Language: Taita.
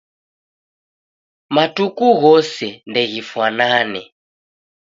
Matuku ghose ndeghifwanane.